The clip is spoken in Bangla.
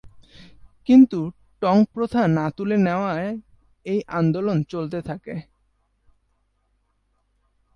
কিন্তু টঙ্ক প্রথা না তুলে নেওয়ায় এই আন্দোলন চলতে থাকে।